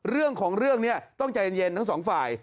เรื่องของเรื่องนี้ต้องใจเย็นทั้งสองฝ่าย